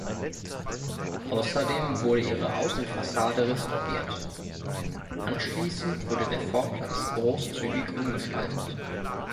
Außerdem wurde ihre Außenfassade restauriert; anschließend wurde der Vorplatz großzügig umgestaltet.